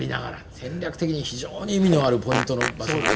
戦略的に非常に意味のあるポイントの場所なんですね。